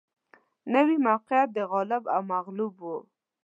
نوي موقعیت د غالب او مغلوب و